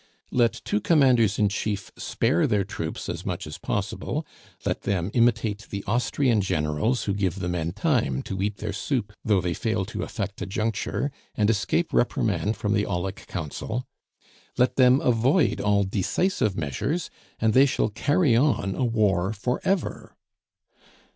Let two commanders in chief spare their troops as much as possible, let them imitate the Austrian generals who give the men time to eat their soup though they fail to effect a juncture, and escape reprimand from the Aulic Council; let them avoid all decisive measures, and they shall carry on a war for ever.